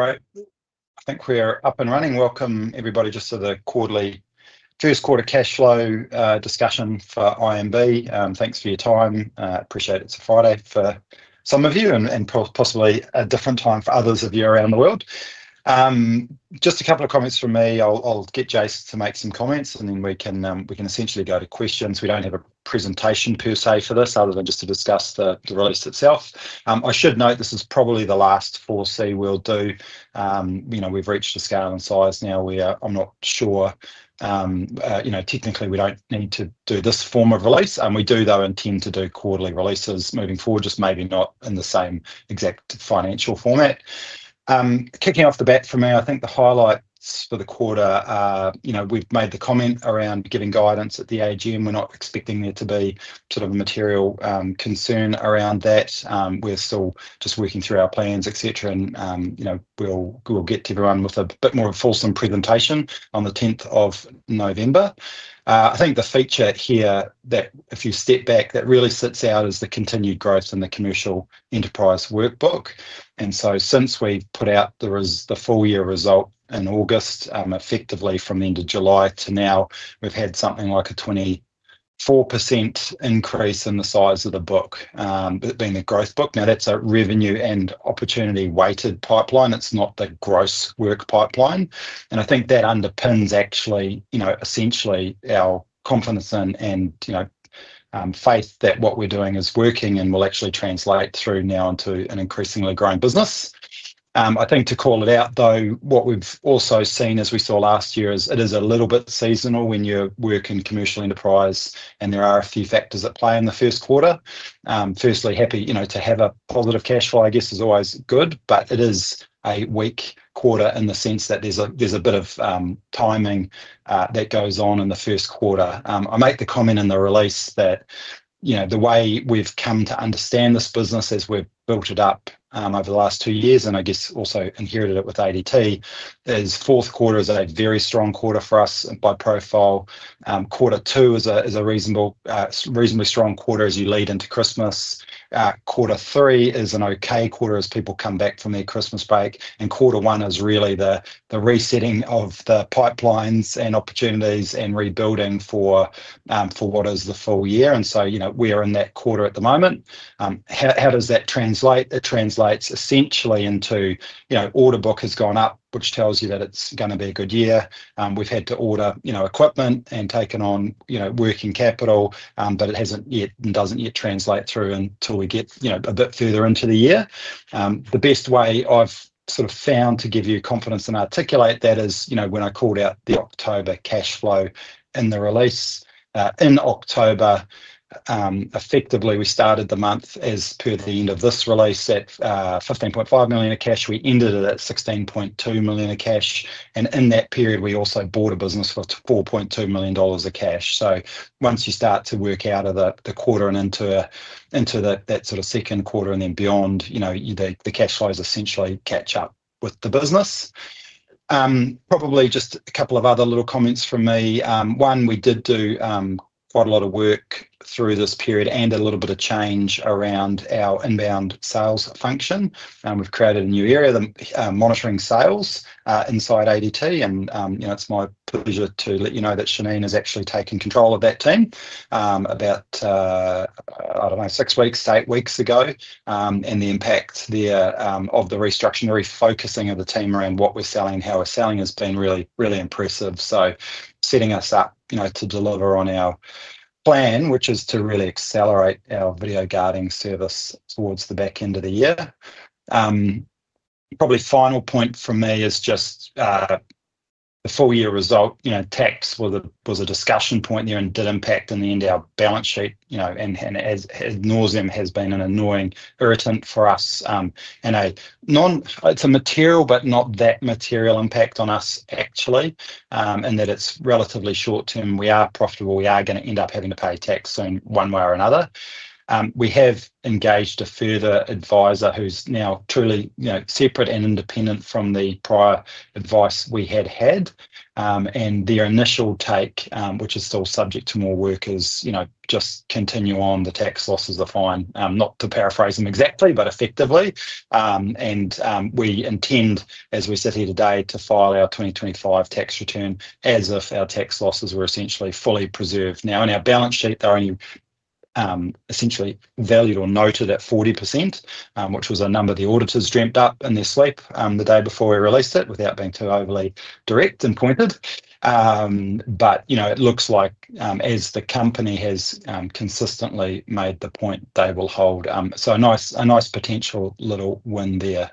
Right. I think we are up and running. Welcome, everybody, just to the quarterly, just quarter cash flow discussion for Intelligent Monitoring Group. Thanks for your time. Appreciate it. It's a Friday for some of you and possibly a different time for others of you around the world. Just a couple of comments from me. I'll get Jace to make some comments, and then we can essentially go to questions. We don't have a presentation per se for this other than just to discuss the release itself. I should note this is probably the last foresee we'll do. You know, we've reached a scale and size now. We are, I'm not sure, you know, technically we don't need to do this form of release. We do, though, intend to do quarterly releases moving forward, just maybe not in the same exact financial format. Kicking off the bat for me, I think the highlights for the quarter are, you know, we've made the comment around giving guidance at the AGM. We're not expecting there to be sort of a material concern around that. We're still just working through our plans, etc., and, you know, we'll get to everyone with a bit more of a fulsome presentation on the 10th of November. I think the feature here that, if you step back, that really sits out is the continued growth in the commercial enterprise workbook. Since we've put out the full year result in August, effectively from the end of July to now, we've had something like a 24% increase in the size of the book, being the growth book. Now, that's a revenue and opportunity-weighted pipeline. It's not the gross work pipeline. I think that underpins, actually, you know, essentially our confidence in and, you know, faith that what we're doing is working and will actually translate through now into an increasingly growing business. I think to call it out, though, what we've also seen, as we saw last year, is it is a little bit seasonal when you're working commercial enterprise, and there are a few factors at play in the first quarter. Firstly, happy, you know, to have a positive cash flow, I guess, is always good, but it is a weak quarter in the sense that there's a bit of timing that goes on in the first quarter. I make the comment in the release that, you know, the way we've come to understand this business as we've built it up over the last two years, and I guess also inherited it with ADT, is fourth quarter is a very strong quarter for us by profile. Quarter two is a reasonably strong quarter as you lead into Christmas. Quarter three is an okay quarter as people come back from their Christmas break, and quarter one is really the resetting of the pipelines and opportunities and rebuilding for what is the full year. We are in that quarter at the moment. How does that translate? It translates essentially into order book has gone up, which tells you that it's going to be a good year. We've had to order equipment and taken on working capital, but it hasn't yet and doesn't yet translate through until we get a bit further into the year. The best way I've found to give you confidence and articulate that is, when I called out the October cash flow in the release, in October, effectively we started the month as per the end of this release at $15.5 million of cash. We ended it at $16.2 million of cash. In that period, we also bought a business for $4.2 million of cash. Once you start to work out of the quarter and into that sort of second quarter and then beyond, the cash flows essentially catch up with the business. Probably just a couple of other little comments from me. One, we did do quite a lot of work through this period and a little bit of change around our inbound sales function. We've created a new area, the monitoring sales, inside ADT. It's my pleasure to let you know that Shanine has actually taken control of that team about, I don't know, six weeks, eight weeks ago, and the impact there of the restructuring, refocusing of the team around what we're selling and how we're selling has been really, really impressive. Setting us up to deliver on our plan, which is to really accelerate our video guarding service towards the back end of the year. Probably final point for me is just the full year result. Tax was a discussion point there and did impact in the end our balance sheet, and as, as nauseum has been an annoying irritant for us, and a non, it's a material but not that material impact on us actually, and that it's relatively short term. We are profitable. We are going to end up having to pay tax soon one way or another. We have engaged a further advisor who's now truly, you know, separate and independent from the prior advice we had had, and their initial take, which is still subject to more work, is, you know, just continue on. The tax losses are fine, not to paraphrase them exactly, but effectively. We intend, as we sit here today, to file our 2025 tax return as if our tax losses were essentially fully preserved. In our balance sheet, they're only essentially valued or noted at 40%, which was a number the auditors dreamt up in their sleep the day before we released it, without being too overly direct and pointed. You know, it looks like, as the company has consistently made the point, they will hold, so a nice potential little win there.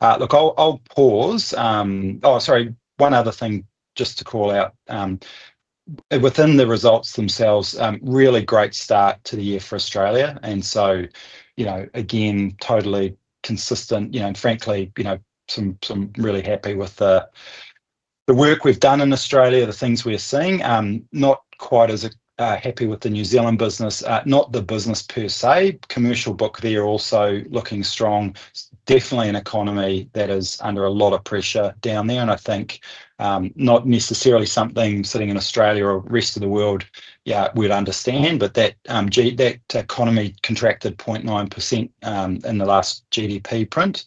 I'll pause. Oh, sorry. One other thing just to call out, within the results themselves, really great start to the year for Australia. Again, totally consistent, and frankly, you know, some really happy with the work we've done in Australia, the things we are seeing. Not quite as happy with the New Zealand business, not the business per se. Commercial book there also looking strong. Definitely an economy that is under a lot of pressure down there. I think, not necessarily something sitting in Australia or rest of the world, yeah, we'd understand, but that economy contracted 0.9% in the last GDP print,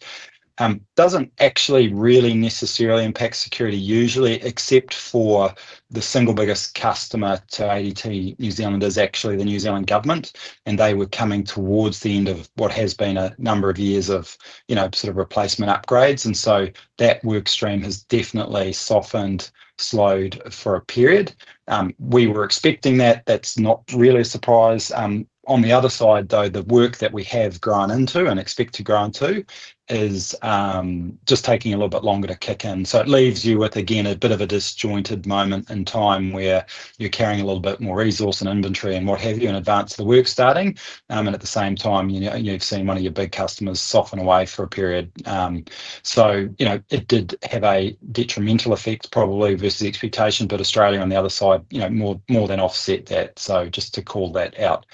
doesn't actually really necessarily impact security usually, except for the single biggest customer to ADT New Zealand is actually the New Zealand government. They were coming towards the end of what has been a number of years of, you know, sort of replacement upgrades. That work stream has definitely softened, slowed for a period. We were expecting that. That's not really a surprise. On the other side, though, the work that we have grown into and expect to grow into is just taking a little bit longer to kick in. It leaves you with, again, a bit of a disjointed moment in time where you're carrying a little bit more resource and inventory and what have you in advance of the work starting. At the same time, you've seen one of your big customers soften away for a period. It did have a detrimental effect probably versus expectation, but Australia on the other side more than offset that. Just to call that out,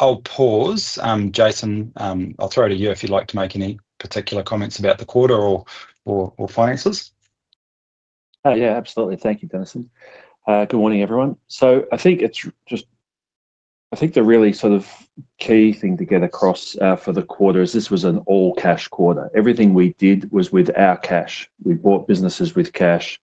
I'll pause. Jason, I'll throw it to you if you'd like to make any particular comments about the quarter or finances. Yeah, absolutely. Thank you, Denison. Good morning, everyone. I think the really sort of key thing to get across for the quarter is this was an all cash quarter. Everything we did was with our cash. We bought businesses with cash.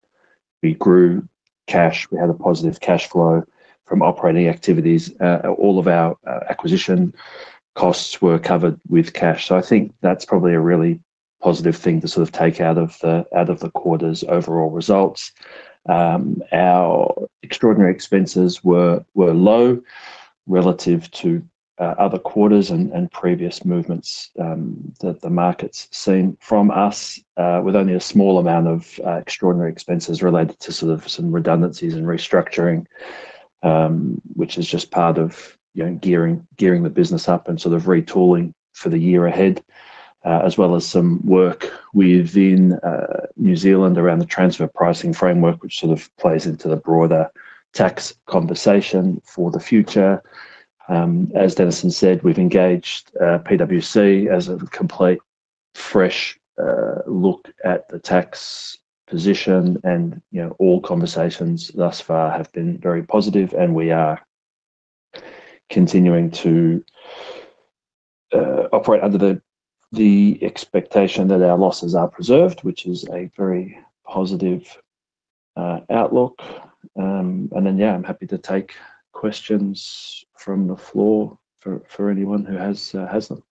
We grew cash. We had a positive cash flow from operating activities. All of our acquisition costs were covered with cash. I think that's probably a really positive thing to sort of take out of the quarter's overall results. Our extraordinary expenses were low relative to other quarters and previous movements that the market's seen from us, with only a small amount of extraordinary expenses related to some redundancies and restructuring, which is just part of gearing the business up and retooling for the year ahead, as well as some work within New Zealand around the transfer pricing framework, which plays into the broader tax conversation for the future. As Denison said, we've engaged PwC as a complete fresh look at the tax position, and all conversations thus far have been very positive, and we are continuing to operate under the expectation that our losses are preserved, which is a very positive outlook. I'm happy to take questions from the floor for anyone who has them.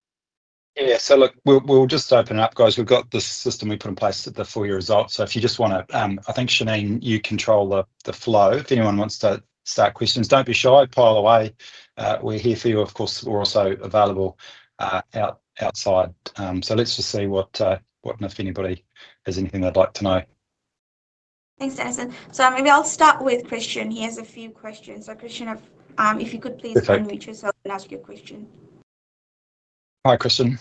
Yeah. Look, we'll just open it up, guys. We've got the system we put in place at the full year result. If you just want to, I think Shanine, you control the flow. If anyone wants to start questions, don't be shy. Pile away. We're here for you, of course. We're also available outside. Let's just see if anybody has anything they'd like to know. Thanks, Denison. Maybe I'll start with Christian. He has a few questions. Christian, if you could please unmute yourself and ask your question. Hi, Christian.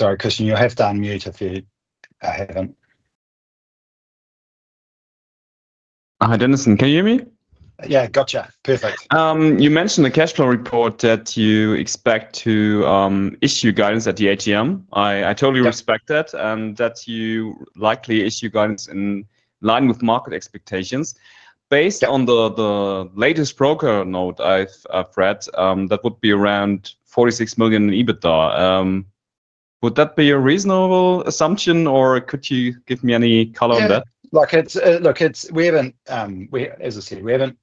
Sorry, Christian, you'll have to unmute if you haven't. Hi, Denison. Can you hear me? Yeah, gotcha. Perfect. You mentioned the cash flow report that you expect to issue guidance at the AGM. I totally respect that and that you likely issue guidance in line with market expectations. Based on the latest broker note I've read, that would be around $46 million EBITDA. Would that be a reasonable assumption or could you give me any color on that? Yeah. Look, we haven't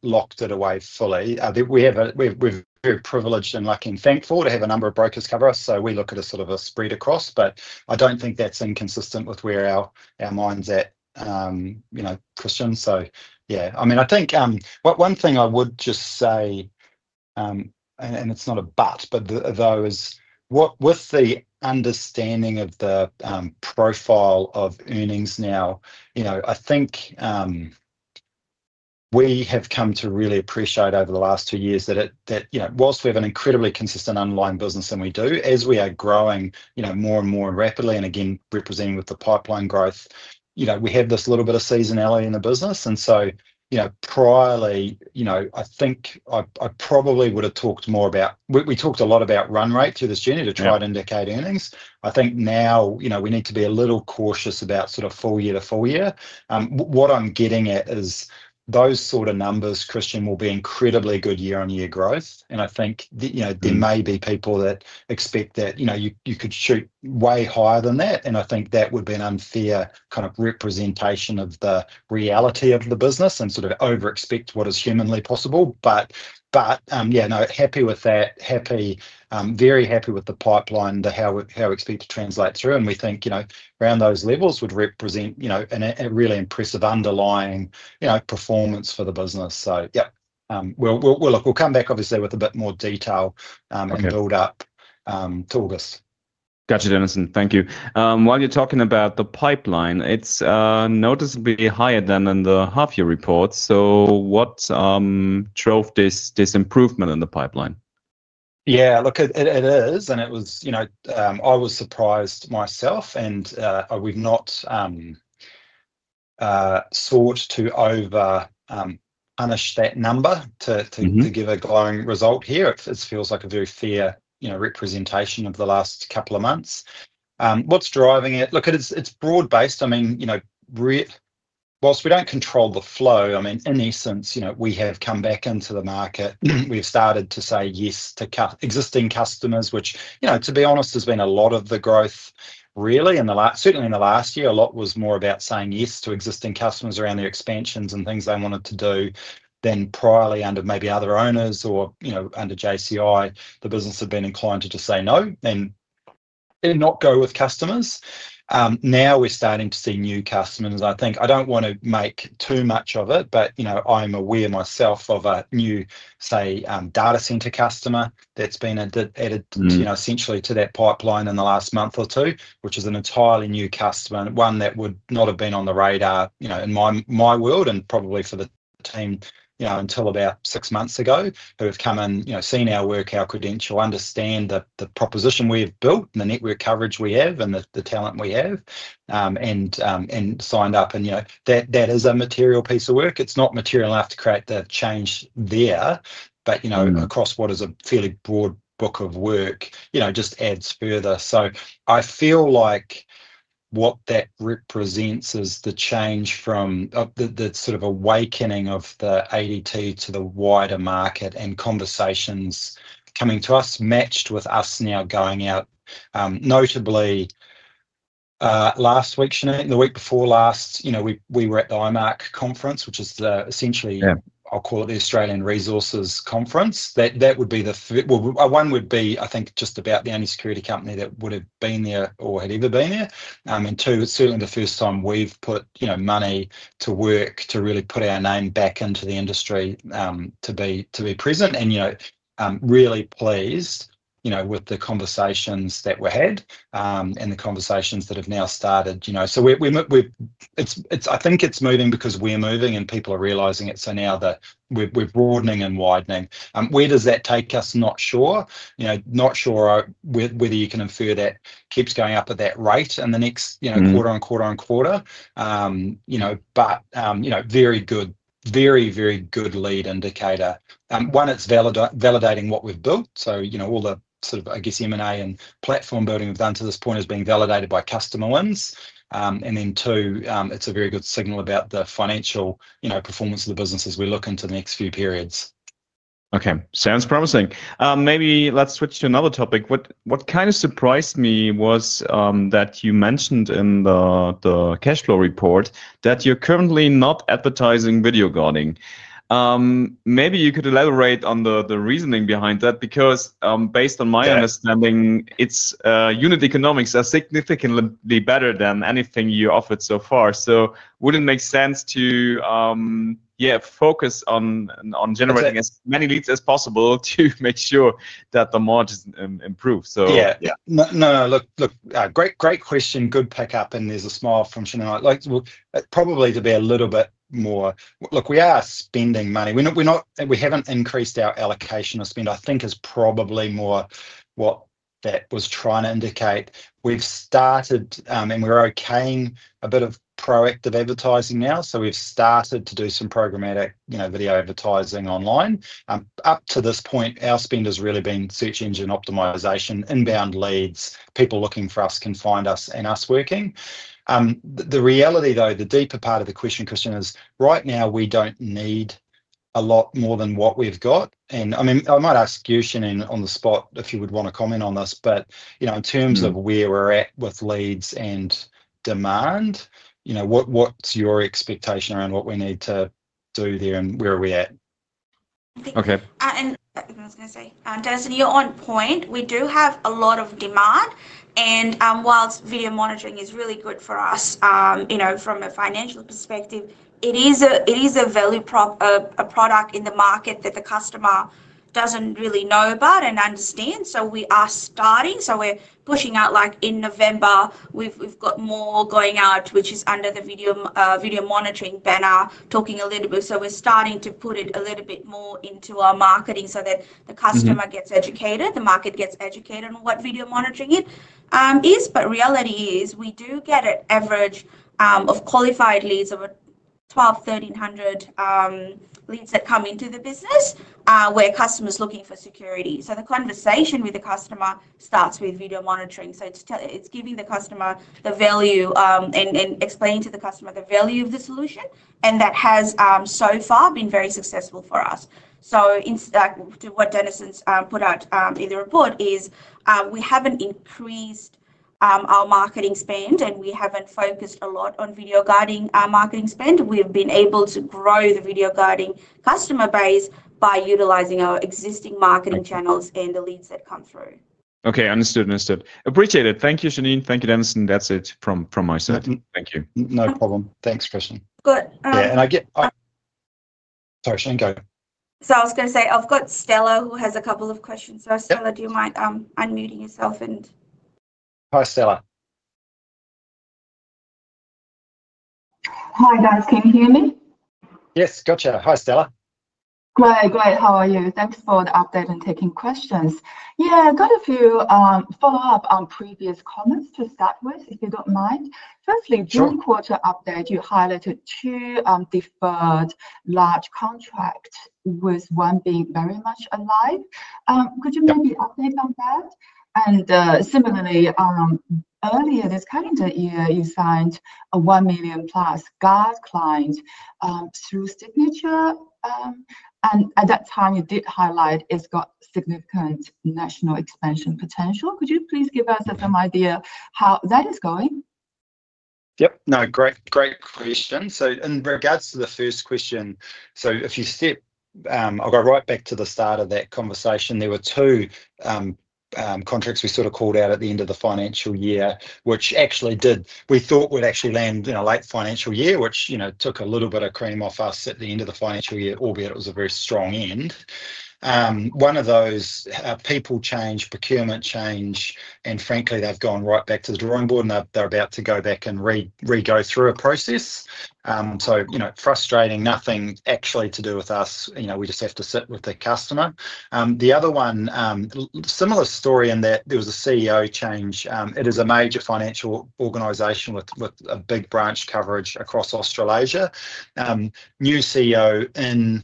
locked it away fully. We are very privileged and lucky and thankful to have a number of brokers cover us. We look at a sort of a spread across, but I don't think that's inconsistent with where our mind's at, you know, Christian. I think one thing I would just say is, with the understanding of the profile of earnings now, we have come to really appreciate over the last two years that, whilst we have an incredibly consistent underlying business and we do, as we are growing more and more rapidly and again, representing with the pipeline growth, we have this little bit of seasonality in the business. Priorly, I think I probably would've talked more about, we talked a lot about run rate through this journey to try to indicate earnings. I think now we need to be a little cautious about sort of full year to full year. What I'm getting at is those sort of numbers, Christian, will be incredibly good year on year growth. There may be people that expect that you could shoot way higher than that, and I think that would be an unfair kind of representation of the reality of the business and over expect what is humanly possible. Happy with that. Happy, very happy with the pipeline, how we expect to translate through. We think around those levels would represent a really impressive underlying performance for the business. We'll come back obviously with a bit more detail and build up to August. Gotcha, Denison. Thank you. While you're talking about the pipeline, it's noticeably higher than in the half year report. What drove this improvement in the pipeline? Yeah. Look, it is, and it was, you know, I was surprised myself and we've not sought to over-punish that number to give a glowing result here. It feels like a very fair representation of the last couple of months. What's driving it? Look, it is, it's broad based. I mean, you know, whilst we don't control the flow, I mean, in essence, we have come back into the market. We've started to say yes to existing customers, which, you know, to be honest, has been a lot of the growth really in the last, certainly in the last year. A lot was more about saying yes to existing customers around their expansions and things they wanted to do than priorly under maybe other owners or, you know, under JCI, the business had been inclined to just say no and not go with customers. Now we're starting to see new customers. I think, I don't want to make too much of it, but, you know, I'm aware myself of a new, say, data center customer that's been added, you know, essentially to that pipeline in the last month or two, which is an entirely new customer, one that would not have been on the radar, you know, in my world and probably for the team, you know, until about six months ago who have come in, seen our work, our credential, understand the proposition we've built and the network coverage we have and the talent we have, and signed up. That is a material piece of work. It's not material enough to create the change there, but, you know, across what is a fairly broad book of work, just adds further. I feel like what that represents is the change from the sort of awakening of the ADT to the wider market and conversations coming to us matched with us now going out, notably last week, Shanine, the week before last, we were at the IMAC conference, which is essentially, I'll call it the Australian Resources Conference. That would be the, well, one would be, I think, just about the only security company that would've been there or had ever been there. Two, it's certainly the first time we've put money to work to really put our name back into the industry, to be present. I'm really pleased with the conversations that we had, and the conversations that have now started, you know, so we're, it's, I think it's moving because we are moving and people are realizing it. Now that we're broadening and widening, where does that take us? Not sure, not sure whether you can infer that keeps going up at that rate in the next quarter on quarter on quarter, but very good, very, very good lead indicator. One, it's validating what we've built. All the sort of, I guess, M and A and platform building we've done to this point has been validated by customer wins. Two, it's a very good signal about the financial performance of the business as we look into the next few periods. Okay. Sounds promising. Maybe let's switch to another topic. What kind of surprised me was that you mentioned in the cash flow report that you're currently not advertising video guarding. Maybe you could elaborate on the reasoning behind that because, based on my understanding, its unit economics are significantly better than anything you offered so far. Would it make sense to focus on generating as many leads as possible to make sure that the margin improves? Yeah. No, great question. Good pickup. There's a smile from Shanine and I probably like to be a little bit more, look, we are spending money. We're not, we haven't increased our allocation or spend, I think is probably more what that was trying to indicate. We've started, and we're okaying a bit of proactive advertising now. We've started to do some programmatic video advertising online. Up to this point, our spend has really been search engine optimization, inbound leads, people looking for us can find us and us working. The reality though, the deeper part of the question, Christian, is right now we don't need a lot more than what we've got. I might ask you, Shanine, on the spot if you would want to comment on this, but in terms of where we're at with leads and demand, what's your expectation around what we need to do there and where are we at? Thank you. Okay. I was going to say, Denison, you're on point. We do have a lot of demand. Whilst video monitoring is really good for us, you know, from a financial perspective, it is a value prop, a product in the market that the customer doesn't really know about and understand. We are starting, we're pushing out like in November, we've got more going out, which is under the video monitoring banner, talking a little bit. We're starting to put it a little bit more into our marketing so that the customer gets educated, the market gets educated on what video monitoring is. The reality is we do get an average of qualified leads of 1,200, 1,300 leads that come into the business, where customers are looking for security. The conversation with the customer starts with video monitoring. It's giving the customer the value, and explaining to the customer the value of the solution. That has, so far, been very successful for us. In what Denison's put out in the report, we haven't increased our marketing spend and we haven't focused a lot on video guarding marketing spend. We've been able to grow the video guarding customer base by utilizing our existing marketing channels and the leads that come through. Okay. Understood. Appreciate it. Thank you, Shanine. Thank you, Denison. That's it from my side. Thank you. No problem. Thanks, Christian. Good. I get it. Sorry, Shanine. Go ahead. I was going to say I've got Stella who has a couple of questions. Stella, do you mind unmuting yourself? Hi, Stella. Hi guys, can you hear me? Yes, gotcha. Hi, Stella. Great. Great. How are you? Thanks for the update and taking questions. Got a few, follow-up on previous comments to start with, if you don't mind. Firstly, during quarter update, you highlighted two deferred large contracts with one being very much alive. Could you maybe update on that? Similarly, earlier this calendar year, you signed a $1 million plus guard client through Signature. At that time, you did highlight it's got significant national expansion potential. Could you please give us some idea how that is going? Yep. No, great, great question. In regards to the first question, if you step, I'll go right back to the start of that conversation. There were two contracts we sort of called out at the end of the financial year, which actually did, we thought would actually land in a late financial year, which took a little bit of cream off us at the end of the financial year, albeit it was a very strong end. One of those, people change, procurement change, and frankly, they've gone right back to the drawing board and they're about to go back and re-reg go through a process. Frustrating, nothing actually to do with us, we just have to sit with the customer. The other one, similar story in that there was a CEO change. It is a major financial organization with a big branch coverage across Australasia. New CEO in,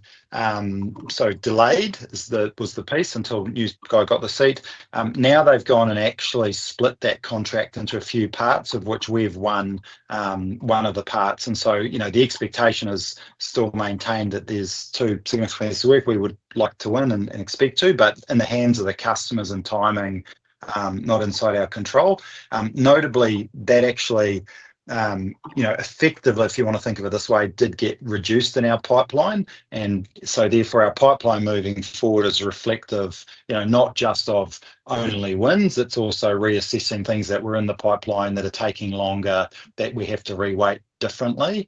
so delayed is the piece until new guy got the seat. Now they've gone and actually split that contract into a few parts of which we've won one of the parts. The expectation is still maintained that there's two significant pieces of work we would like to win and expect to, but in the hands of the customers and timing, not inside our control. Notably that actually, if you want to think of it this way, did get reduced in our pipeline. Therefore our pipeline moving forward is reflective, not just of only wins, it's also reassessing things that were in the pipeline that are taking longer that we have to reweight differently.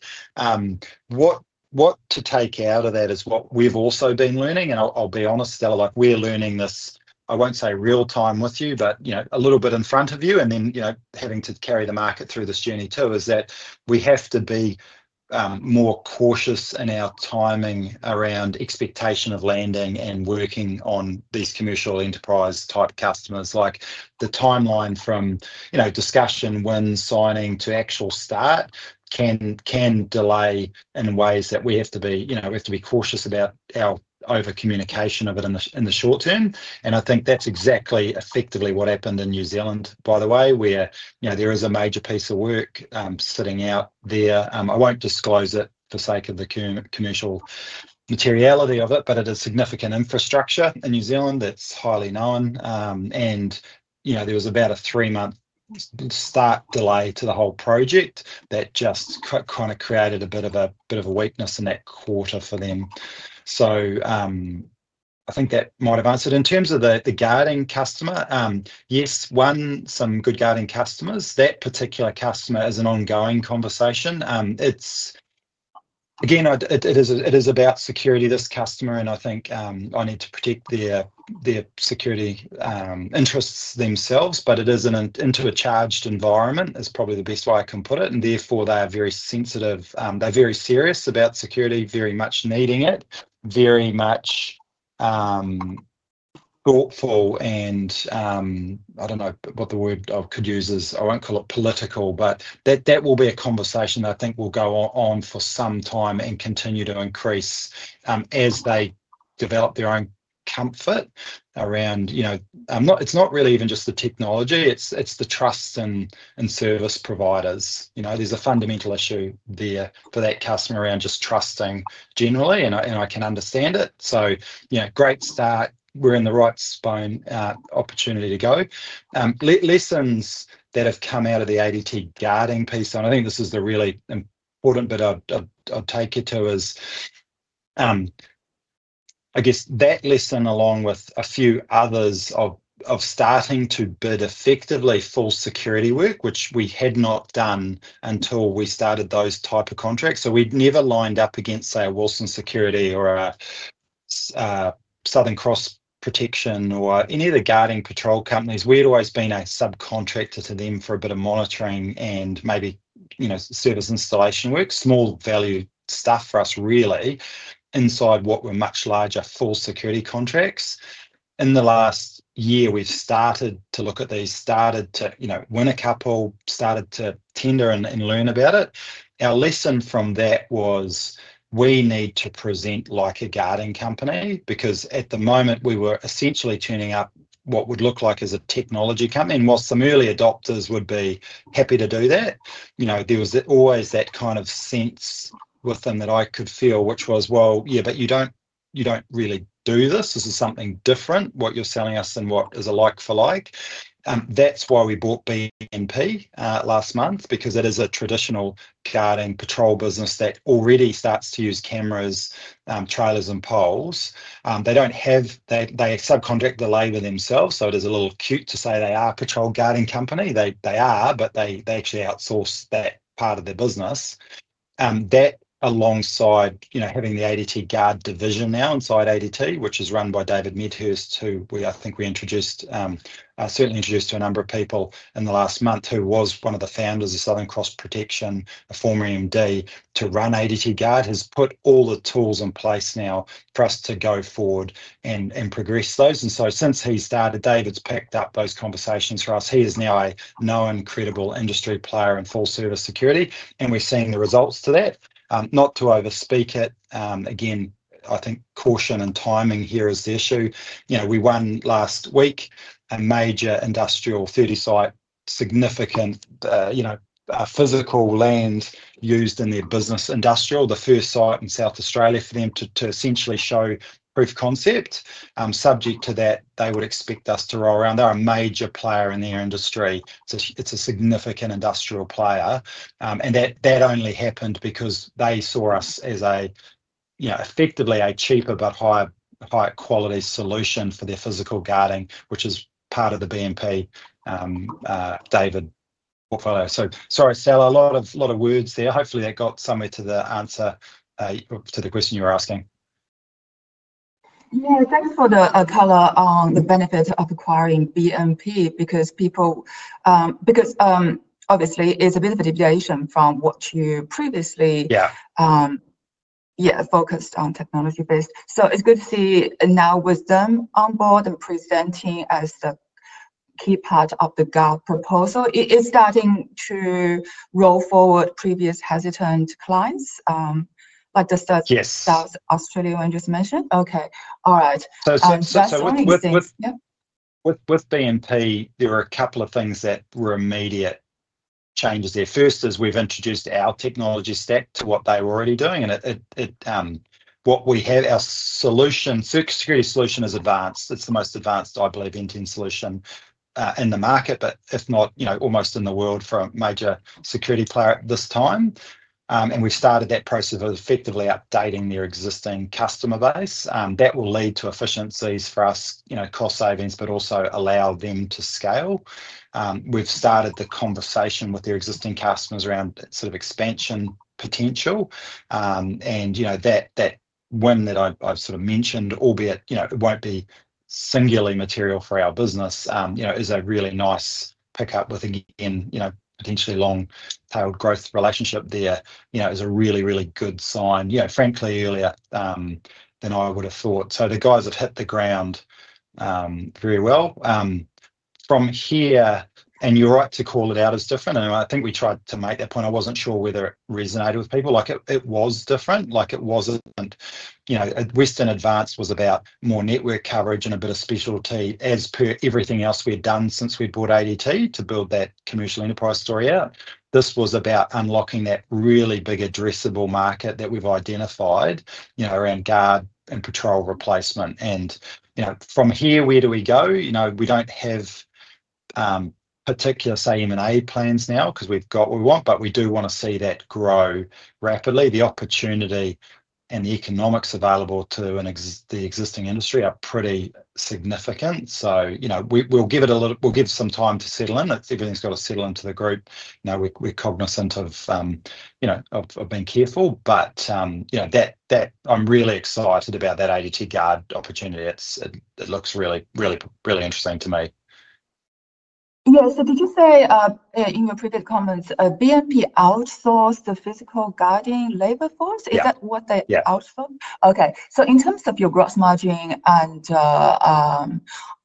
What to take out of that is what we've also been learning. I'll be honest, Stella, we are learning this, I won't say real time with you, but a little bit in front of you. Then, having to carry the market through this journey too is that we have to be more cautious in our timing around expectation of landing and working on these commercial enterprise type customers. The timeline from discussion when signing to actual start can delay in ways that we have to be cautious about our over communication of it in the short term. I think that's exactly effectively what happened in New Zealand, by the way, where there is a major piece of work sitting out there. I won't disclose it for sake of the commercial materiality of it, but it is significant infrastructure in New Zealand that's highly known. There was about a three-month start delay to the whole project that just kind of created a bit of a weakness in that quarter for them. I think that might've answered in terms of the guarding customer. Yes, won some good guarding customers. That particular customer is an ongoing conversation. It's, again, it is about security, this customer. I think I need to protect their security interests themselves, but it is an into a charged environment, is probably the best way I can put it. Therefore, they are very sensitive. They're very serious about security, very much needing it, very much thoughtful. I don't know what the word I could use is. I won't call it political, but that will be a conversation that I think will go on for some time and continue to increase as they develop their own comfort around, you know, not, it's not really even just the technology, it's the trust and service providers. There's a fundamental issue there for that customer around just trusting generally, and I can understand it. Great start. We're in the right spine, opportunity to go. Lessons that have come out of the ADT guarding piece, and I think this is the really important bit I'd take it to is, I guess that lesson along with a few others of starting to bid effectively full security work, which we had not done until we started those type of contracts. We'd never lined up against, say, a Wilson Security or a Southern Cross Protection or any of the guarding patrol companies. We had always been a subcontractor to them for a bit of monitoring and maybe service installation work, small value stuff for us really inside what were much larger full security contracts. In the last year, we've started to look at these, started to win a couple, started to tender and learn about it. Our lesson from that was we need to present like a guarding company because at the moment we were essentially turning up what would look like as a technology company. While some early adopters would be happy to do that, there was always that kind of sense within that I could feel, which was, well, yeah, but you don't really do this. This is something different, what you're selling us and what is a like for like. That's why we bought BNP last month, because it is a traditional guarding patrol business that already starts to use cameras, trailers, and poles. They subcontract the labor themselves, so it is a little cute to say they are a patrol guarding company. They are, but they actually outsource that part of their business. That, alongside having the ADT guard division now inside ADT, which is run by David Midhurst, who I think we introduced, certainly introduced to a number of people in the last month, who was one of the founders of Southern Cross Protection, a former Managing Director to run ADT guard, has put all the tools in place now for us to go forward and progress those. Since he started, David's picked up those conversations for us. He is now a known, credible industry player in full service security, and we're seeing the results to that. Not to overspeak it, again, I think caution and timing here is the issue. We won last week a major industrial 30-site significant, physical land used in their business industrial, the first site in South Australia for them to essentially show proof of concept. Subject to that, they would expect us to roll around. They're a major player in their industry. It's a significant industrial player, and that only happened because they saw us as effectively a cheaper but higher quality solution for their physical guarding, which is part of the BNP, David portfolio. Sorry, Stella, a lot of words there. Hopefully that got somewhere to the answer to the question you were asking. Yeah. Thanks for the color on the benefit of acquiring BNP because, obviously, it's a bit of a deviation from what you previously. Yeah. Yeah, focused on technology-based. It's good to see now with them on board and presenting as the key part of the guard proposal, it is starting to roll forward previous hesitant clients, like the South. Yes. South Australia one just mentioned. Okay. All right. With. Yep. With BNP, there were a couple of things that were immediate changes there. First is we've introduced our technology stack to what they were already doing. What we have, our solution, security solution is advanced. It's the most advanced, I believe, intent solution in the market, but if not, you know, almost in the world for a major security player at this time. We started that process of effectively updating their existing customer base. That will lead to efficiencies for us, cost savings, but also allow them to scale. We've started the conversation with their existing customers around sort of expansion potential. That win that I've mentioned, albeit it won't be singularly material for our business, is a really nice pickup with, again, potentially long-tailed growth relationship there, is a really, really good sign, frankly, earlier than I would've thought. The guys have hit the ground very well from here, and you're right to call it out as different. I think we tried to make that point. I wasn't sure whether it resonated with people. It was different, like it wasn't, you know, at Western Advance was about more network coverage and a bit of specialty as per everything else we had done since we bought ADT to build that commercial enterprise story out. This was about unlocking that really big addressable market that we've identified around guard and patrol replacement. From here, where do we go? We don't have particular, say, M and A plans now 'cause we've got what we want, but we do wanna see that grow rapidly. The opportunity and the economics available to the existing industry are pretty significant. We'll give it a little, we'll give some time to settle in. Everything's gotta settle into the group. We're cognizant of being careful, but I'm really excited about that ADT guard opportunity. It looks really, really, really interesting to me. Did you say, in your previous comments, BNP outsourced the physical guarding labor force? Yes. Is that what they outsource? Okay. In terms of your gross margin and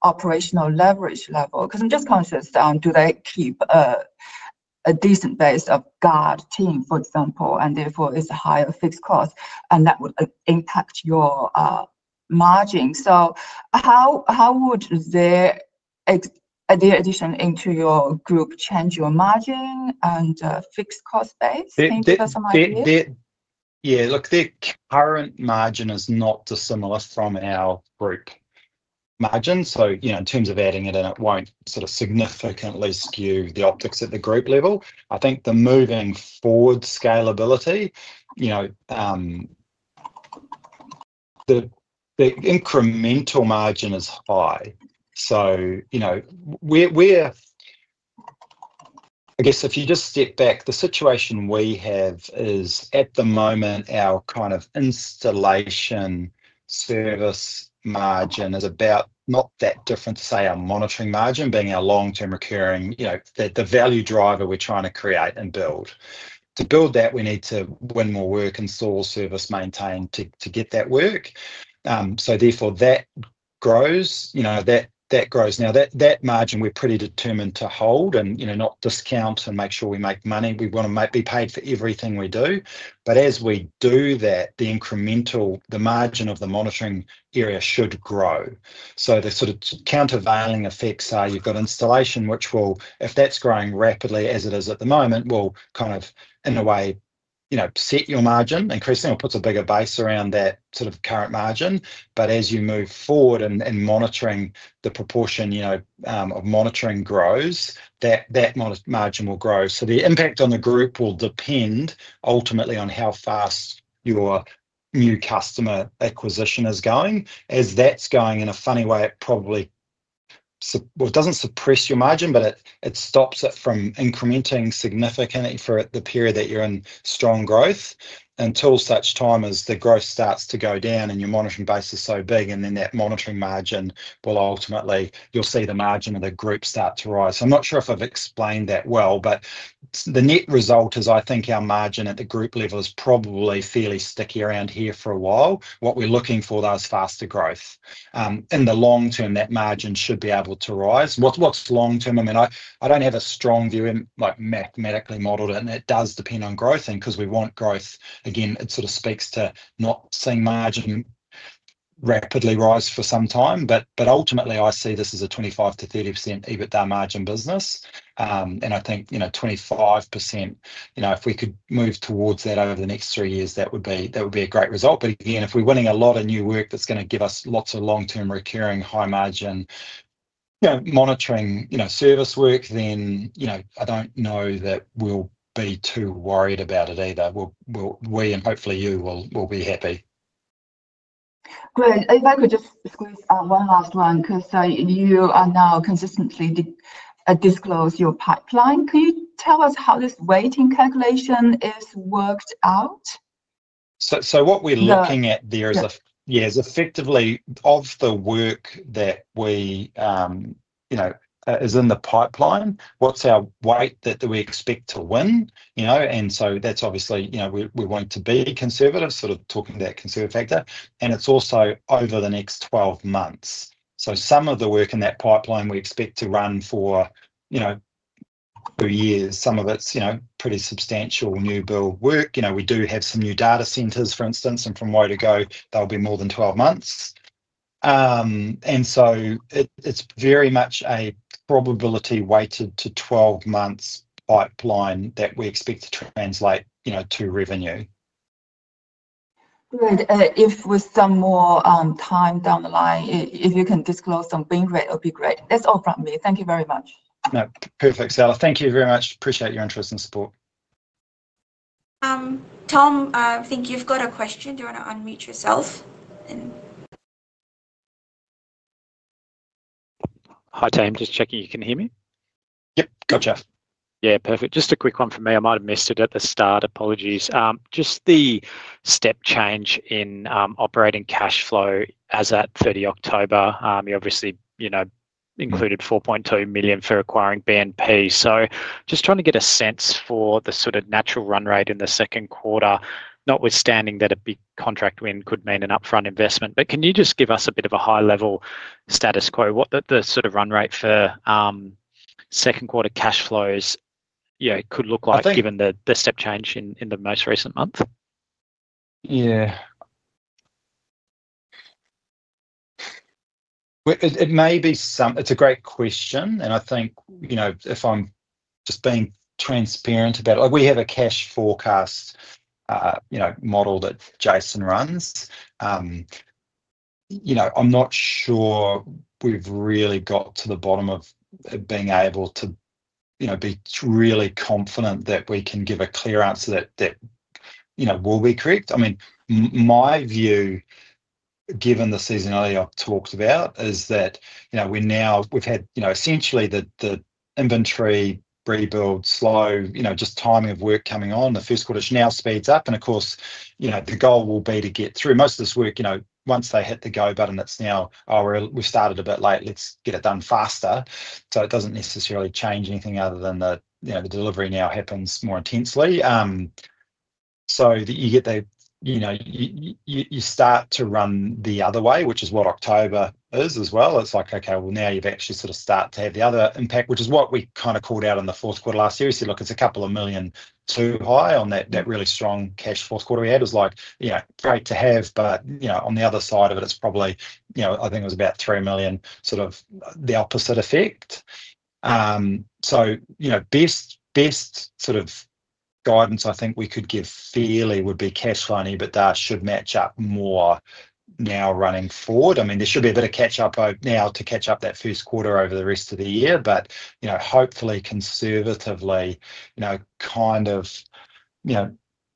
operational leverage level, I'm just conscious, do they keep a decent base of guard team, for example, and therefore it's a higher fixed cost and that would impact your margin. How would their addition into your group change your margin and fixed cost base? The. Think to customize it? Yeah, look, the current margin is not dissimilar from our group margin. In terms of adding it in, it won't significantly skew the optics at the group level. Moving forward, scalability, the incremental margin is high. If you just step back, the situation we have is at the moment our installation service margin is about not that different to our monitoring margin, being our long-term recurring, the value driver we're trying to create and build. To build that, we need to win more work and service, maintain to get that work. Therefore, that grows. Now, that margin we're pretty determined to hold and not discount and make sure we make money. We want to be paid for everything we do. As we do that, the incremental, the margin of the monitoring area should grow. The sort of countervailing effects are, you've got installation, which will, if that's growing rapidly as it is at the moment, will kind of, in a way, set your margin increasing or puts a bigger base around that current margin. As you move forward and monitoring, the proportion of monitoring grows, that margin will grow. The impact on the group will depend ultimately on how fast your new customer acquisition is going. As that's going, in a funny way, it probably, well, it doesn't suppress your margin, but it stops it from incrementing significantly for the period that you're in strong growth until such time as the growth starts to go down and your monitoring base is so big. Then that monitoring margin will ultimately, you'll see the margin of the group start to rise. I'm not sure if I've explained that well, but the net result is I think our margin at the group level is probably fairly sticky around here for a while. What we're looking for is faster growth. In the long term, that margin should be able to rise. What's long term? I mean, I don't have a strong view in, like, mathematically modeled it, and it does depend on growth. Because we want growth, again, it speaks to not seeing margin rapidly rise for some time. Ultimately, I see this as a 25%-30% EBITDA margin business, and I think 25%, if we could move towards that over the next three years, that would be a great result. If we're winning a lot of new work that's going to give us lots of long-term recurring high-margin monitoring service work, then I don't know that we'll be too worried about it either. We and hopefully you will be happy. Great. If I could just squeeze one last one, 'cause you are now consistently disclosing your pipeline. Could you tell us how this weighting calculation is worked out? What we're looking at there is effectively of the work that is in the pipeline, what's our weight that we expect to win, you know? That's obviously, you know, we want to be conservative, sort of talking about conservative factor. It's also over the next 12 months. Some of the work in that pipeline we expect to run for two years, some of it's pretty substantial new build work. We do have some new data centers, for instance, and from way to go, there'll be more than 12 months. It is very much a probability-weighted to 12 months pipeline that we expect to translate to revenue. Good. If with some more time down the line, if you can disclose some billing rate, it'll be great. That's all from me. Thank you very much. No, perfect, Stella. Thank you very much. Appreciate your interest and support. Tom, I think you've got a question. Do you want to unmute yourself? Hi team. Just checking you can hear me. Yep. Gotcha. Yeah. Perfect. Just a quick one for me. I might have missed it at the start. Apologies. Just the step change in operating cash flow as at 30 October. You obviously, you know, included $4.2 million for acquiring BNP. So just trying to get a sense for the sort of natural run rate in the second quarter, notwithstanding that a big contract win could mean an upfront investment. Can you just give us a bit of a high-level status quo? What the sort of run rate for second quarter cash flows could look like given the step change in the most recent month? It may be some, it's a great question. I think, you know, if I'm just being transparent about it, we have a cash forecast model that Jason runs. I'm not sure we've really got to the bottom of being able to be really confident that we can give a clear answer that will be correct. My view, given the seasonality I've talked about, is that we now, we've had essentially the inventory rebuild slow, just timing of work coming on the first quarter now speeds up. Of course, the goal will be to get through most of this work once they hit the go button. It's now, oh, we've started a bit late, let's get it done faster. It doesn't necessarily change anything other than the delivery now happens more intensely so that you get the, you start to run the other way, which is what October is as well. It's like, okay, now you've actually sort of start to have the other impact, which is what we kind of called out in the fourth quarter last year. You see, look, it's a couple of million too high on that really strong cash fourth quarter we had, was like, great to have, but on the other side of it, it's probably, I think it was about $3 million, sort of the opposite effect. Best sort of guidance I think we could give fairly would be cash flow and EBITDA should match up more now running forward. There should be a bit of catch up now to catch up that first quarter over the rest of the year, but hopefully conservatively, you know, kind of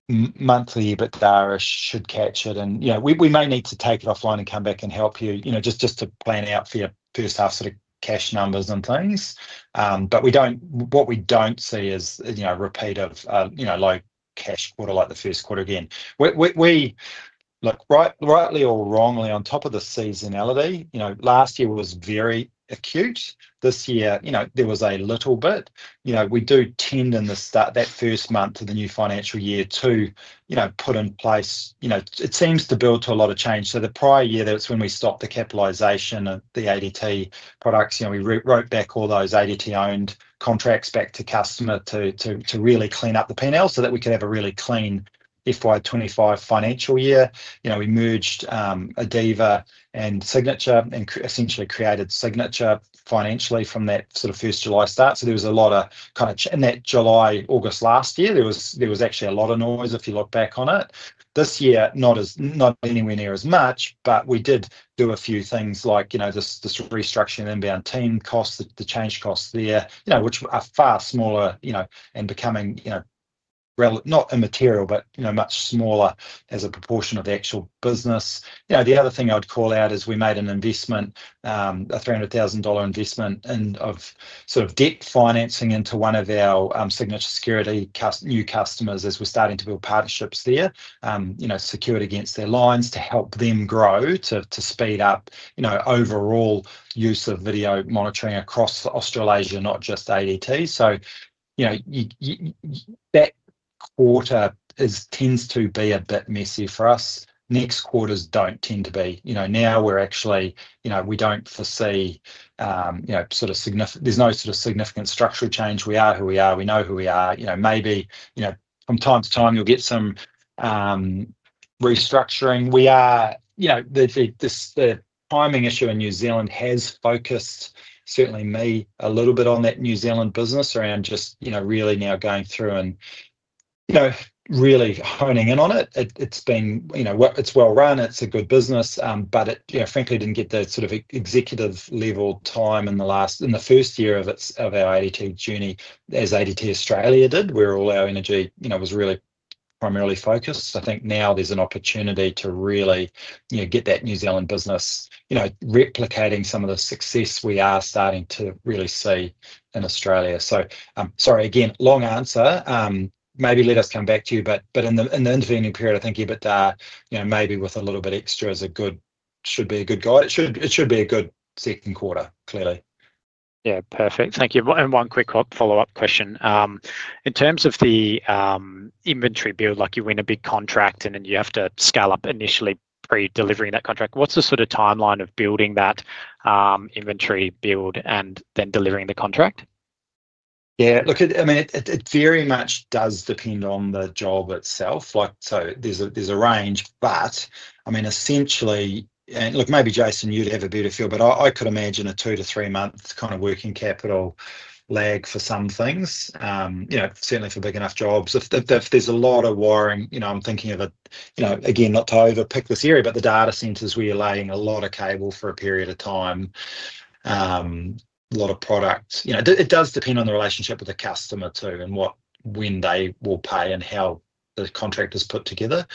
monthly EBITDA should catch it. We may need to take it offline and come back and help you just to plan out for your first half sort of cash numbers and things. What we don't see is a repeat of a low cash quarter like the first quarter. Again, we look, rightly or wrongly, on top of the seasonality. Last year was very acute. This year, there was a little bit, we do tend in the start, that first month to the new financial year, to put in place, it seems to build to a lot of change. The prior year, that's when we stopped the capitalization of the ADT products. We wrote back all those ADT-owned contracts back to customer to really clean up the pen so that we could have a really clean FY 2025 financial year. We merged Adeva and Signature and essentially created Signature financially from that first July start. There was a lot in that July, August last year; there was actually a lot of noise if you look back on it. This year, not anywhere near as much, but we did do a few things like this restructuring inbound team costs, the change costs there, which are far smaller and becoming, not immaterial, but much smaller as a proportion of the actual business. The other thing I would call out is we made an investment, a $300,000 investment of debt financing into one of our Signature Security new customers as we're starting to build partnerships there, secured against their lines to help them grow, to speed up overall use of video monitoring across Australasia, not just ADT. That quarter tends to be a bit messy for us. Next quarters don't tend to be; now we're actually, we don't foresee significant, there's no significant structural change. We are who we are. We know who we are. Maybe from time to time you'll get some restructuring. The timing issue in New Zealand has focused certainly me a little bit on that New Zealand business around just really now going through and really honing in on it. It's well run, it's a good business, but it frankly didn't get the executive level time in the first year of our ADT journey as ADT Australia did, where all our energy was really primarily focused. I think now there's an opportunity to really get that New Zealand business replicating some of the success we are starting to really see in Australia. Sorry again, long answer, maybe let us come back to you, but in the intervening period, I think EBITDA, maybe with a little bit extra, should be a good guide. It should be a good second quarter, clearly. Yeah. Perfect. Thank you. One quick follow-up question. In terms of the inventory build, like you win a big contract and then you have to scale up initially pre-delivering that contract, what's the sort of timeline of building that inventory build and then delivering the contract? Yeah. Look, it very much does depend on the job itself. There's a range, but essentially, and maybe Jason, you'd have a better feel, but I could imagine a two to three month kind of working capital lag for some things, certainly for big enough jobs. If there's a lot of wiring, I'm thinking of, again, not to overpick this area, but the data centers where you're laying a lot of cable for a period of time, a lot of product, it does depend on the relationship with the customer too and when they will pay and how the contract is put together.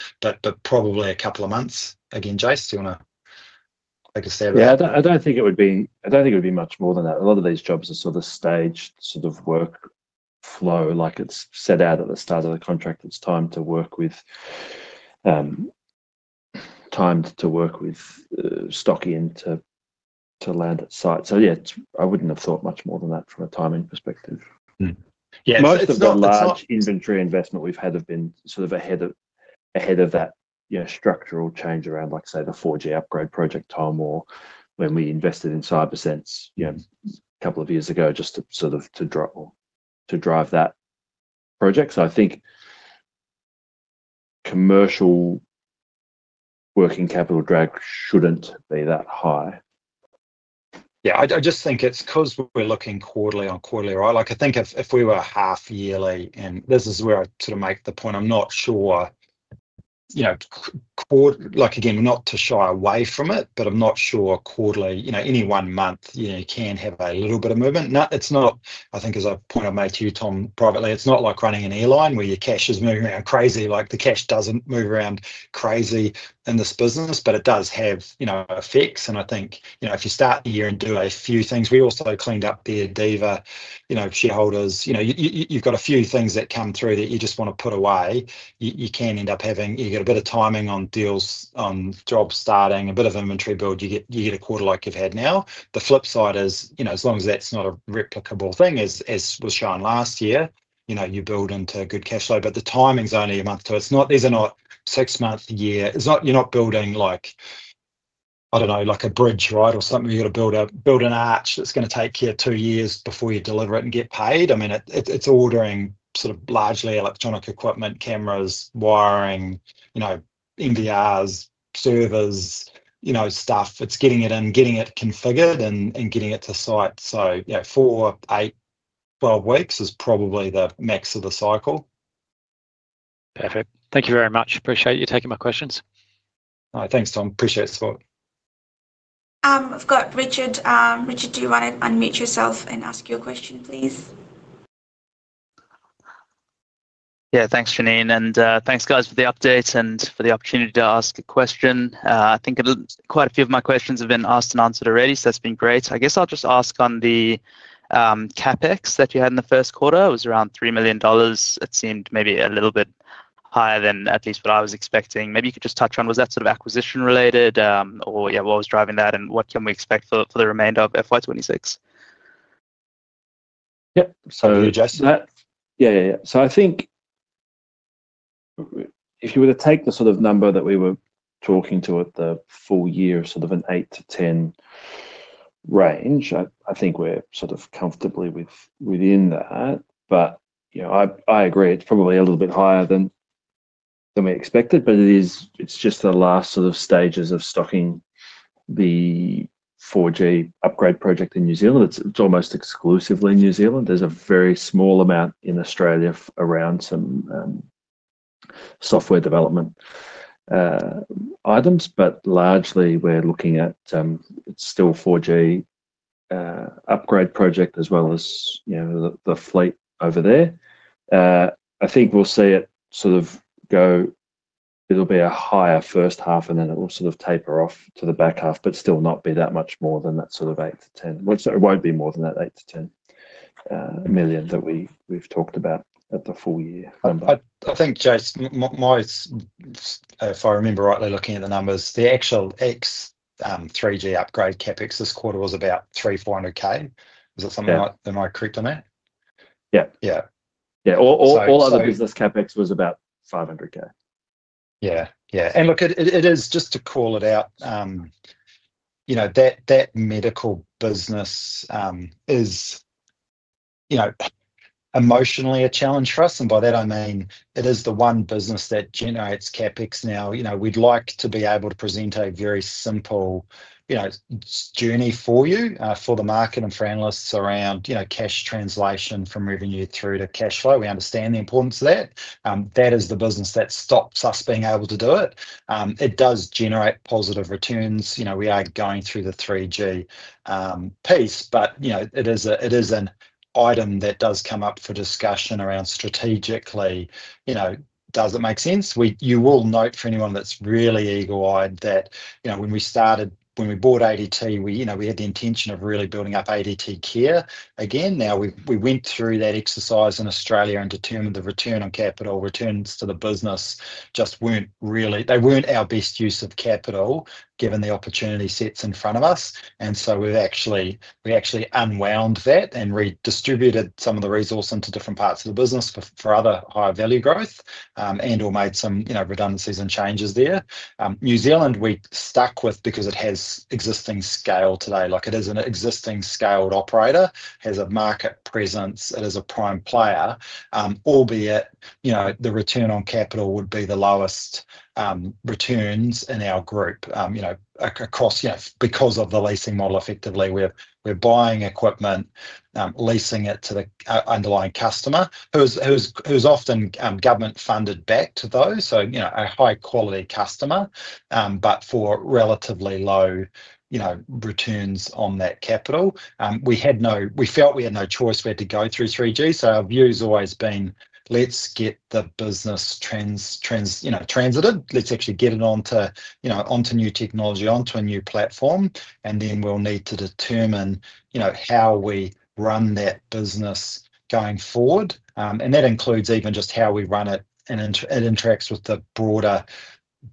Probably a couple of months. Again, Jason, do you want to, like I said? I don't think it would be much more than that. A lot of these jobs are sort of staged work flow, like it's set out at the start of the contract, it's time to work with, time to work with stock in to land at site. I wouldn't have thought much more than that from a timing perspective. Most of the large inventory investment we've had have been ahead of that structural change around, like I say, the 4G upgrade project, Tom, or when we invested in CyberSense a couple of years ago, just to drive that project. I think commercial working capital drag shouldn't be that high. I just think it's because we're looking quarterly on quarterly, right? I think if we were half yearly, and this is where I make the point, I'm not sure. Quarter, like again, not to shy away from it, but I'm not sure quarterly, any one month, you can have a little bit of movement. It's not, as a point I've made to you, Tom, privately, it's not like running an airline where your cash is moving around crazy. The cash doesn't move around crazy in this business, but it does have effects. I think if you start the year and do a few things, we also cleaned up the Adeva shareholders, you've got a few things that come through that you just want to put away. You can end up having, you get a bit of timing on deals, on job starting, a bit of inventory build. You get a quarter like you've had now. The flip side is, as long as that's not a replicable thing, as was shown last year, you build into a good cash flow, but the timing's only a month. These are not six month, year, it's not, you're not building like a bridge or something. You have to build an arch that's going to take you two years before you deliver it and get paid. It's ordering largely electronic equipment, cameras, wiring, NVRs, servers, stuff. It's getting it in, getting it configured and getting it to site. Four, eight, 12 weeks is probably the max of the cycle. Perfect. Thank you very much. Appreciate you taking my questions. All right. Thanks, Tom. Appreciate the support. I've got Richard. Richard, do you want to unmute yourself and ask your question, please? Yeah, thanks, Shanine. Thanks, guys, for the update and for the opportunity to ask a question. I think quite a few of my questions have been asked and answered already, so that's been great. I guess I'll just ask on the CapEx that you had in the first quarter. It was around $3 million. It seemed maybe a little bit higher than at least what I was expecting. Maybe you could just touch on, was that sort of acquisition related, or what was driving that and what can we expect for the remainder of FY 2026? Yep. So. Can you adjust to that? I think if you were to take the sort of number that we were talking to at the full year, sort of an $8 million to $10 million range, I think we're comfortably within that. I agree it's probably a little bit higher than we expected, but it is just the last stages of stocking the 4G upgrade project in New Zealand. It's almost exclusively New Zealand. There's a very small amount in Australia around some software development items, but largely we're looking at the 4G upgrade project as well as the fleet over there. I think we'll see it go as a higher first half and then it'll taper off to the back half, but still not be that much more than that sort of $8 million-$10 million. It won't be more than that $8 million-$10 million that we've talked about at the full year number. I think, Jason, if I remember rightly, looking at the numbers, the actual 3G upgrade CapEx this quarter was about $3.4 million. Was it something that I picked up on that? Yeah. Yeah. All other business CapEx was about $500,000. Yeah. Look, it is just to call it out, you know, that medical business is, you know, emotionally a challenge for us. By that I mean it is the one business that generates CapEx now. We'd like to be able to present a very simple journey for you, for the market and for analysts around cash translation from revenue through to cash flow. We understand the importance of that. That is the business that stops us being able to do it. It does generate positive returns. We are going through the 3G piece, but it is an item that does come up for discussion around strategically, you know, does it make sense? You will note for anyone that's really eagle-eyed that when we started, when we bought ADT, we had the intention of really building up ADT care. Again, now we went through that exercise in Australia and determined the return on capital, returns to the business just weren't really, they weren't our best use of capital given the opportunity sets in front of us. We've actually unwound that and redistributed some of the resource into different parts of the business for other higher value growth, and/or made some redundancies and changes there. New Zealand, we stuck with because it has existing scale today. It is an existing scaled operator, has a market presence, it is a prime player, albeit the return on capital would be the lowest returns in our group, you know, across, because of the leasing model effectively. We're buying equipment, leasing it to the underlying customer who's often government funded back to those. So, you know, a high quality customer, but for relatively low returns on that capital. We felt we had no choice. We had to go through 3G. Our view's always been, let's get the business transited, let's actually get it onto new technology, onto a new platform, and then we'll need to determine how we run that business going forward. That includes even just how we run it and it interacts with the broader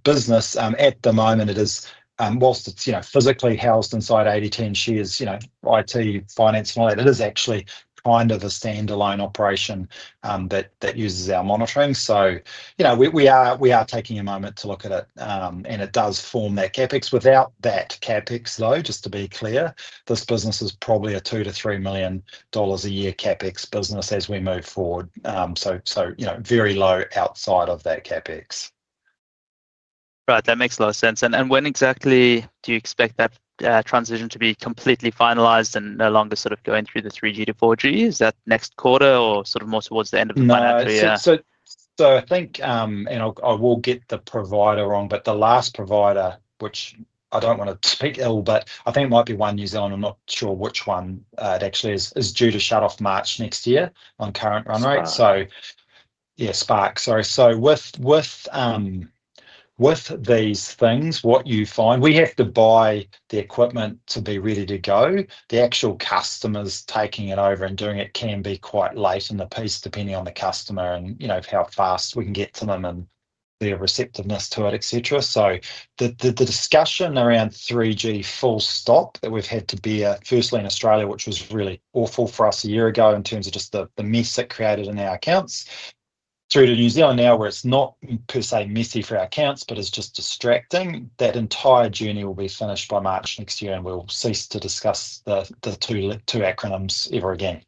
business. At the moment it is, whilst it's physically housed inside 8010 shares, IT, finance and all that, it is actually kind of a standalone operation that uses our monitoring. We are taking a moment to look at it, and it does form that CapEx. Without that CapEx, though, just to be clear, this business is probably a $2-$3 million a year CapEx business as we move forward. Very low outside of that CapEx. That makes a lot of sense. When exactly do you expect that transition to be completely finalized and no longer sort of going through the 3G-4G? Is that next quarter or more towards the end of the financial year? I think, and I will get the provider wrong, but the last provider, which I don't want to speak ill of, but I think it might be One New Zealand, I'm not sure which one it actually is, is due to shut off March next year on current run rate. Okay. Yeah. Sorry. With these things, what you find, we have to buy the equipment to be ready to go. The actual customers taking it over and doing it can be quite late in the piece depending on the customer and, you know, how fast we can get to them and their receptiveness to it, et cetera. The discussion around 3G, full stop, that we've had to bear, firstly in Australia, which was really awful for us a year ago in terms of just the mess it created in our accounts, through to New Zealand now where it's not per se messy for our accounts, but it's just distracting. That entire journey will be finished by March next year and we'll cease to discuss the two acronyms ever again.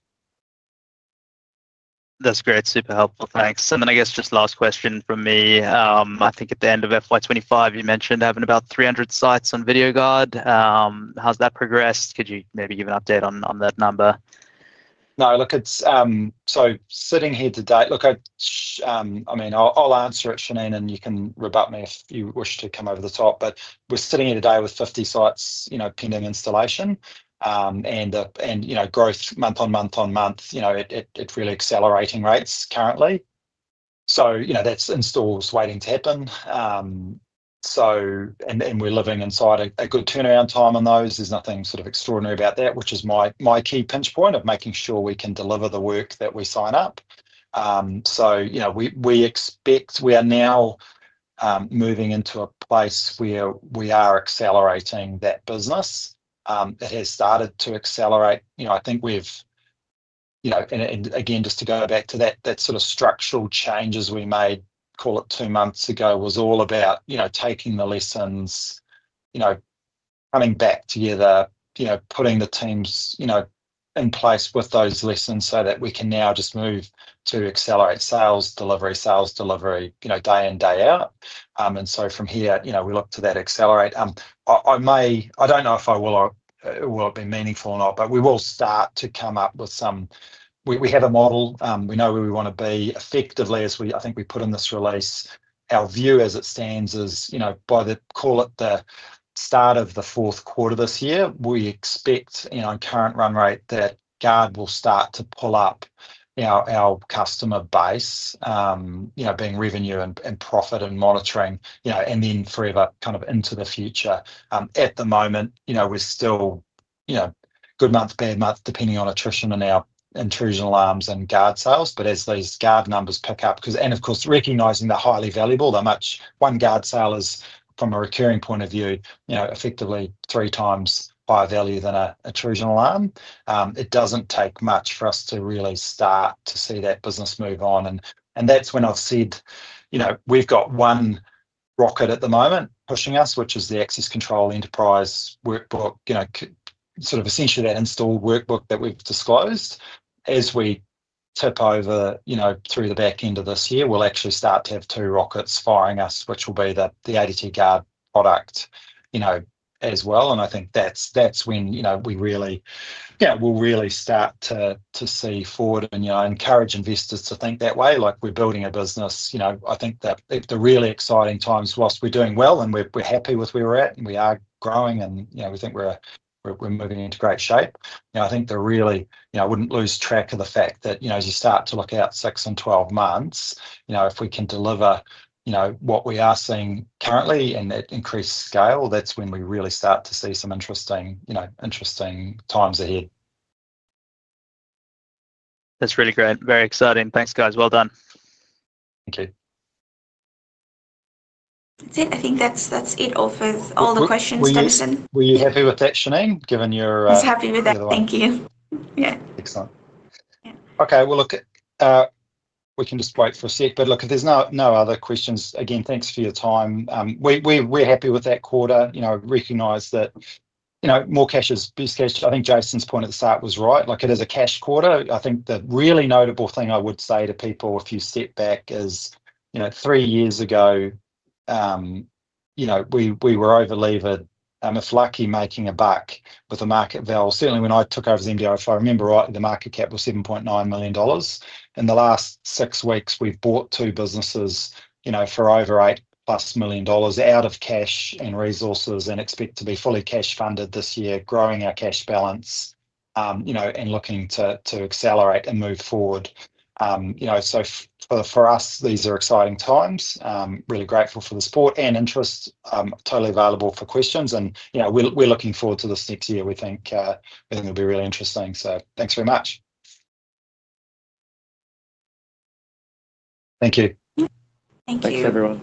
That's great. Super helpful. Thanks. I guess just last question from me. I think at the end of FY 2025, you mentioned having about 300 sites on video guarding. How's that progressed? Could you maybe give an update on that number? No, look, it's, so sitting here today, I mean, I'll answer it, Shanine, and you can rebut me if you wish to come over the top, but we're sitting here today with 50 sites pending installation, and growth month on month on month. It's really accelerating rates currently. That's installs waiting to happen, and we're living inside a good turnaround time on those. There's nothing sort of extraordinary about that, which is my key pinch point of making sure we can deliver the work that we sign up. We expect we are now moving into a place where we are accelerating that business. It has started to accelerate. I think we've, and again, just to go back to that sort of structural changes we made, call it two months ago, was all about taking the lessons, coming back together, putting the teams in place with those lessons so that we can now just move to accelerate sales, delivery, sales delivery, day in, day out. From here, we look to that accelerate. I may, I don't know if I will, will it be meaningful or not, but we will start to come up with some, we have a model. We know where we wanna be effectively as we, I think we put in this release. Our view as it stands is, by the, call it the start of the fourth quarter this year, we expect, on current run rate, that guard will start to pull up our customer base, being revenue and profit and monitoring, and then forever kind of into the future. At the moment, we're still, good month, bad month, depending on attrition and our intrusion alarms and guard sales. As these guard numbers pick up, 'cause, and of course recognizing they're highly valuable, they're much, one guard sale is from a recurring point of view, effectively three times higher value than a true alarm. It doesn't take much for us to really start to see that business move on. That's when I've said, we've got one rocket at the moment pushing us, which is the Access Control Enterprise workbook, essentially that install workbook that we've disclosed. As we tip over through the back end of this year, we'll actually start to have two rockets firing us, which will be the ADT guard product as well. I think that's when we really start to see forward and encourage investors to think that way. We're building a business. I think that the really exciting times, whilst we're doing well and we're happy with where we're at and we are growing and we think we're moving into great shape, I think they're really, I wouldn't lose track of the fact that as you start to look out six and 12 months, if we can deliver what we are seeing currently and that increased scale, that's when we really start to see some interesting times ahead. That's really great. Very exciting. Thanks, guys. Well done. Thank you. That's it. I think that offers all the questions, Tyson. Were you happy with that, Shanine, given your Yes happy with that. Thank you. Yeah. Excellent. Okay. If there's no other questions, again, thanks for your time. We are happy with that quarter. You know, recognize that more cash is best cash. I think Jason's point at the start was right. It is a cash quarter. I think the really notable thing I would say to people if you sit back is, three years ago, we were overlevered, if lucky making a buck with the market value. Certainly when I took over as Managing Director, if I remember right, the market cap was $7.9 million. In the last six weeks, we've bought two businesses for over $8 million out of cash and resources and expect to be fully cash funded this year, growing our cash balance and looking to accelerate and move forward. For us, these are exciting times. Really grateful for the support and interest. Totally available for questions and we're looking forward to this next year. We think it'll be really interesting. Thanks very much. Thank you. Thank you. Thank you, everyone.